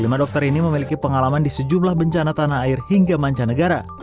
lima dokter ini memiliki pengalaman di sejumlah bencana tanah air hingga mancanegara